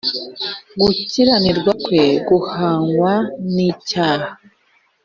gukiranirwa kwe guhwanywe n icyaha